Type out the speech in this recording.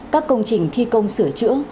các công trình thi công sửa chữa